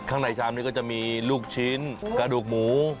ข้างในชามนี้ก็จะมีลูกชิ้นกระดูกหมู